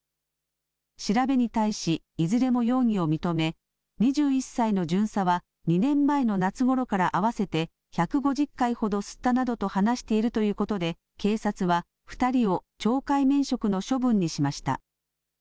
調べに対し、いずれも容疑を認め、２１歳の巡査は２年前の夏ごろから合わせて１５０回ほど吸ったなどと話しているということで、警察は２人を懲戒免職の処分にしました。